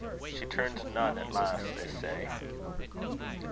"She turned nun at last, they say."